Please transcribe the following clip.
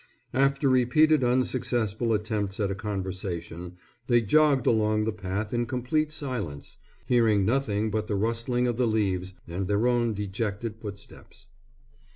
After repeated unsuccessful attempts at a conversation they jogged along the path in complete silence, hearing nothing but the rustling of the leaves and their own dejected footsteps.